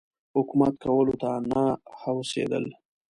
حکومت کولو ته نه هوسېدل.